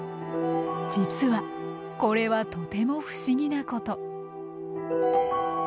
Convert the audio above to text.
実はこれはとても不思議なこと。